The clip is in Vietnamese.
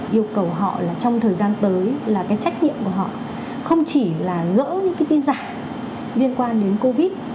yêu cầu họ trong thời gian tới là trách nhiệm của họ không chỉ là gỡ những tin giả liên quan đến covid một mươi chín